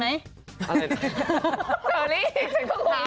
ใช่ภาษาศาสตร์ฟิษฐ์เราบอกว่าเบรนสมอง